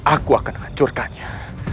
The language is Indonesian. aku akan hancurkannya